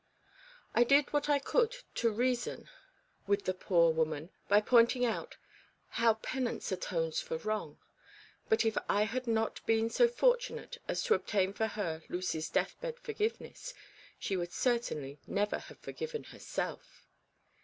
I did what I could to reason with the poor REBECCA'S REMORSE. 235 woman, by pointing out how penance atones for wrong ; but if I had not been so fortunate as to obtain for her Lucy's death bed forgive ness, she would certainly never have forgiven herself.